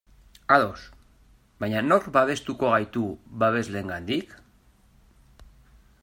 Ados, baina nork babestuko gaitu babesleengandik?